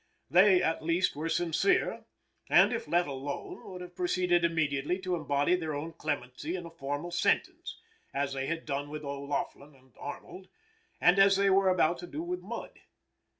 They, at least, were sincere, and, if let alone, would have proceeded immediately to embody their own clemency in a formal sentence, as they had done with O'Laughlin and Arnold, and as they were about to do with Mudd.